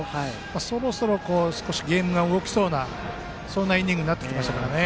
そろそろゲームが動きそうなイニングになってきましたね。